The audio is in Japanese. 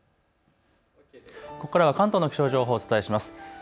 ここからは関東の気象情報をお伝えします。